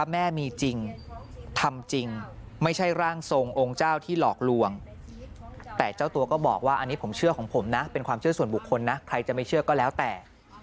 แม่มีจริงทำจริงไม่ใช่ร่างทรงองค์เจ้าที่หลอกลวงแต่เจ้าตัวก็บอกว่าอันนี้ผมเชื่อของผมนะเป็นความเชื่อส่วนบุคคลนะใครจะไม่เชื่อก็แล้วแต่